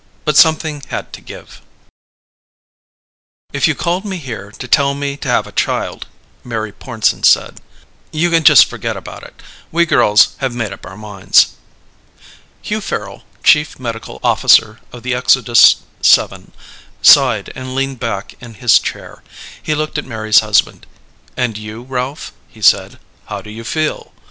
But something had to give...._ WHERE THERE'S HOPE By Jerome Bixby Illustrated by Kelly Freas "If you called me here to tell me to have a child," Mary Pornsen said, "you can just forget about it. We girls have made up our minds." Hugh Farrel, Chief Medical Officer of the Exodus VII, sighed and leaned back in his chair. He looked at Mary's husband. "And you, Ralph," he said. "How do you feel?"